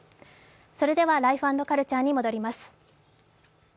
それでは「ライフ＆カルチャー」に戻ります。